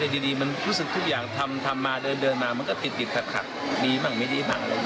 แต่เช่นว่าโอกาสมันไม่มีแต่วันนี้ไปมีโอกาสได้บวช